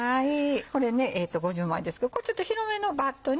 これ５０枚ですけどこれちょっと広めのバットに。